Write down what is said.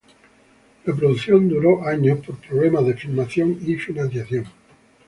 La producción duró años por problemas de filmación y financiación.